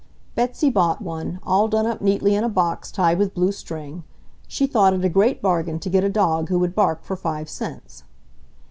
Betsy bought one, all done up neatly in a box tied with blue string. She thought it a great bargain to get a dog who would bark for five cents.